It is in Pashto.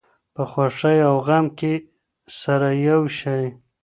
په خوښۍ او غم کې سره یو شئ.